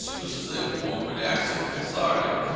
Use as a warm and active cathartic.